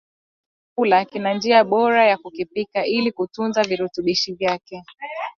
Kila chakula kina njia bora ya kukipika ili kutunza virutubishi vyake